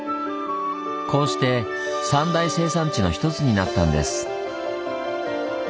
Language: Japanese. こうして三大生産地の一つになったんです。